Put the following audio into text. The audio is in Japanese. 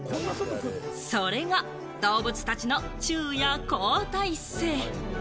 それが動物たちの昼夜交代制。